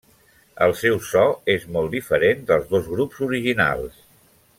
El seu so és molt diferent dels dos grups originals.